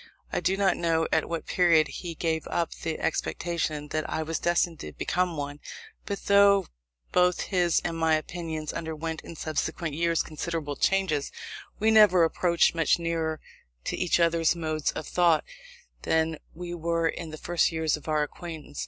I do not know at what period he gave up the expectation that I was destined to become one; but though both his and my opinions underwent in subsequent years considerable changes, we never approached much nearer to each other's modes of thought than we were in the first years of our acquaintance.